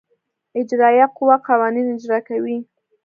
اجرائیه قوه قوانین اجرا کوي.